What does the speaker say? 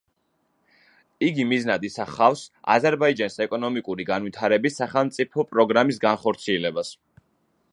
იგი მიზნად ისახავს აზერბაიჯანის ეკონომიკური განვითარების სახელმწიფო პროგრამის განხორციელებას.